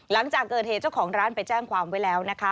หลังจากเกิดเหตุเจ้าของร้านไปแจ้งความไว้แล้วนะคะ